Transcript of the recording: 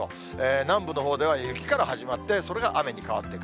南部のほうでは、雪から始まって、それが雨に変わっていく。